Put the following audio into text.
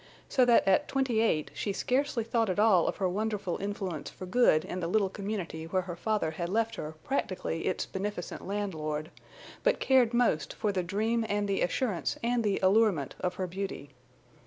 So that at twenty eight she scarcely thought at all of her wonderful influence for good in the little community where her father had left her practically its beneficent landlord, but cared most for the dream and the assurance and the allurement of her beauty.